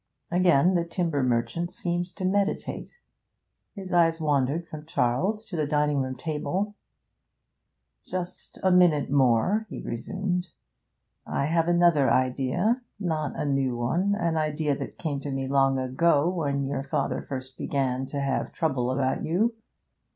Again the timber merchant seemed to meditate; his eyes wandered from Charles to the dining room table. 'Just a minute more,' he resumed; 'I have another idea not a new one; an idea that came to me long ago, when your father first began to have trouble about you.